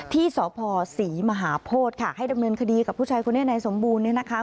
ที่สพศรีมหาโพธิค่ะให้ดำเนินคดีกับผู้ชายคนนี้ในสมบูรณ์เนี่ยนะคะ